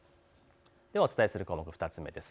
お伝えする項目、２つ目です。